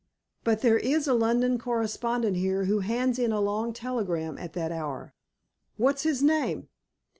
"But there is a London correspondent here who hands in a long telegram at that hour." "What's his name?"